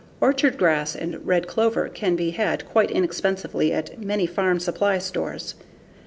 Orchard grass and red clover can be had quite inexpensively at many farm supply stores.